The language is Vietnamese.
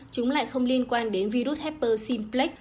chúng lại không liên quan đến virus hepper simplex